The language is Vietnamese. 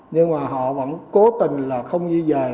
nhưng mà họ vẫn cố tình là không di dời